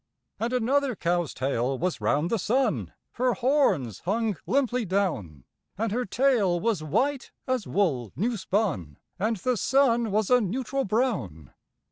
And another cow's tail was round the sun (Her horns hung limply down); And her tail was white as wool new spun, And the sun was a neutral brown.